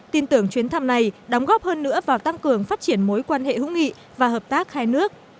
tin tưởng chuyến thăm này đóng góp hơn nữa vào tăng cường phát triển mối quan hệ hữu nghị và hợp tác hai nước